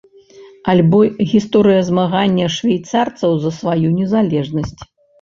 Альбо гісторыя змагання швейцарцаў за сваю незалежнасць.